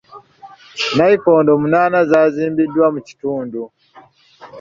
Nnayikondo munaana zaazimbiddwa mu kitundu.